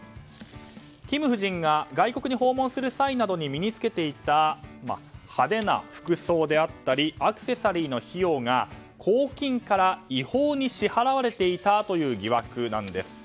キム夫人が外国を訪問する際に身に着けていた派手な服装であったりアクセサリーの費用が公金から違法に支払われていたという疑惑です。